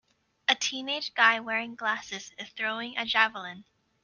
A teenage guy wearing glasses is throwing a javelin.